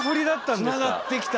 つながってきた！